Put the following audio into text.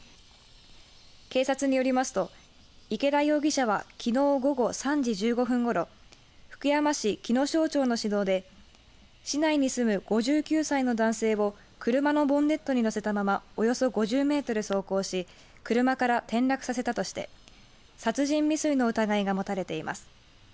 警察によりますと池田容疑者はきのう午後３時１５分ごろ福山市木之庄町の市道で市内に住む５９歳の男性を車のボンネットに乗せたままおよそ５０メートル走行し車から転落させたとして殺人未遂の疑いが持たれています。